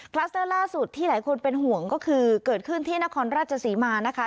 สเตอร์ล่าสุดที่หลายคนเป็นห่วงก็คือเกิดขึ้นที่นครราชศรีมานะคะ